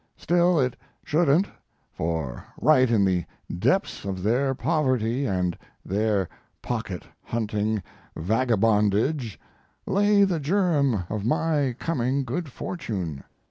Still it shouldn't, for right in the depths of their poverty and their pocket hunting vagabondage lay the germ of my coming good fortune.